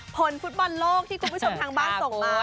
ผลฟุตบอลโลกที่คุณผู้ชมทางบ้านส่งมา